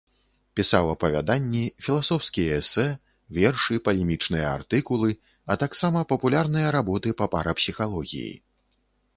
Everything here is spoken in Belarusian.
Пісаў апавяданні, філасофскія эсэ, вершы, палемічныя артыкулы, а таксама папулярныя работы па парапсіхалогіі.